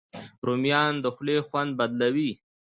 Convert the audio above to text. رومیان د خولې خوند بدلوي